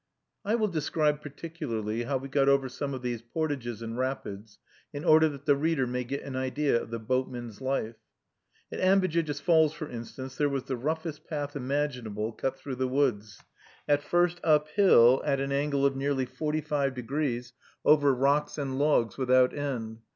I will describe particularly how we got over some of these portages and rapids, in order that the reader may get an idea of the boatman's life. At Ambejijis Falls, for instance, there was the roughest path imaginable cut through the woods; at first up hill, at an angle of nearly forty five degrees, over rocks and logs without end.